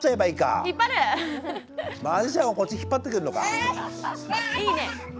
いいね。